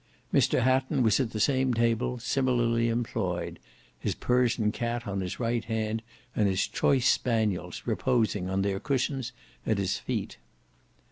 Mr Hatton was at the same table similarly employed; his Persian cat on his right hand, and his choice spaniels reposing on their cushions at his feet.